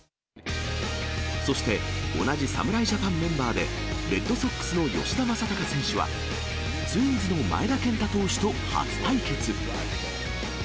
そして、同じ侍ジャパンメンバーで、レッドソックスの吉田正尚選手は、ツインズの前田健太投手と初対決。